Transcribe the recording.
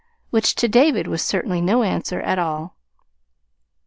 which to David was certainly no answer at all.